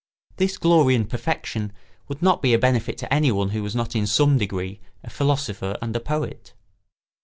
This glory and perfection would not be a benefit to anyone who was not in some degree a philosopher and a poet.